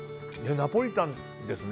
ナポリタンですね。